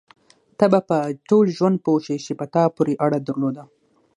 ته به په ټول ژوند پوه شې چې په تا پورې اړه درلوده.